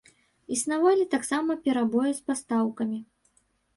Існавалі таксама перабоі з пастаўкамі.